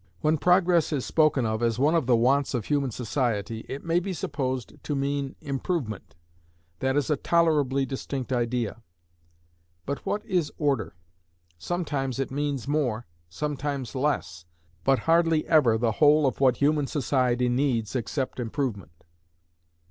When Progress is spoken of as one of the wants of human society, it may be supposed to mean Improvement. That is a tolerably distinct idea. But what is Order? Sometimes it means more, sometimes less, but hardly ever the whole of what human society needs except improvement.